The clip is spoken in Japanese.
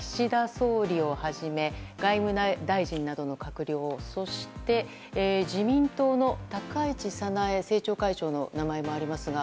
総理をはじめ外務大臣などの閣僚そして、自民党の高市早苗政調会長の名前もありますが。